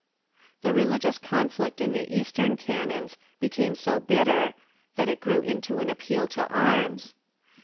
The religious conflict in the eastern cantons became so bit ter that it grew into an appeal to arms.